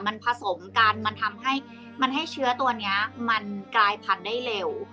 มันผสมกันมันทำให้มันให้เชื้อตัวนี้มันกลายพันธุ์ได้เร็ว